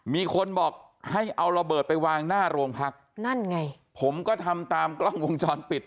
มีคนบอกให้เอาระเบิดไปวางหน้าโรงพักนั่นไงผมก็ทำตามกล้องวงจรปิด